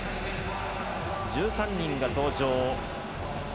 １３人が登場。